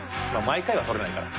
毎回は取れないから。